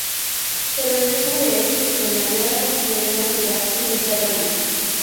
Pero el sueño de este visionario era construir una ciudad mediterránea.